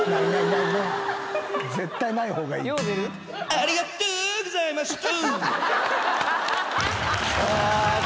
ありがとーうございました。